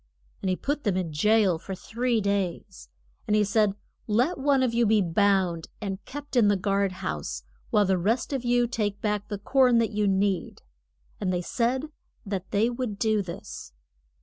And he put them in jail for three days. And he said, Let one of you be bound, and kept in the guard house, while the rest of you take back the corn that you need. And they said that they would do this.